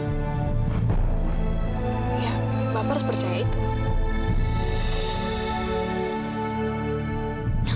ya bapak harus percaya itu